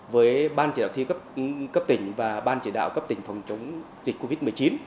với ban chỉ đạo thi cấp tỉnh và ban chỉ đạo cấp tỉnh phòng chống dịch covid một mươi chín